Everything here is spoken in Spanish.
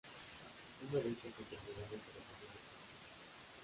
Una de estas enfermedades es el cáncer de páncreas.